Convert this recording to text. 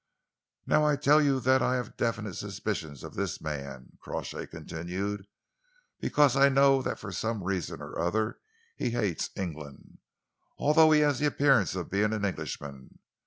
"Now I tell you that I have definite suspicions of this man," Crawshay continued, "because I know that for some reason or other he hates England, although he has the appearance of being an Englishman.